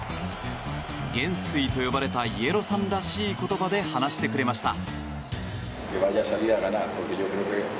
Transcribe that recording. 元帥と呼ばれたイエロさんらしい言葉で話してくれました。